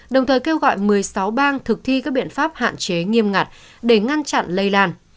đồng thời kêu gọi một mươi sáu bang thực thi các biện pháp hạn chế nghiêm ngặt để ngăn chặn lây lan